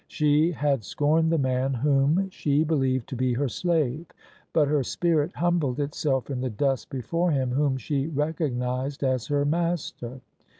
She had scorned the man whom THE SUBJECTION she believed to be her slave : but her spirit humbled itself in the dust before him whom she recognised as her master.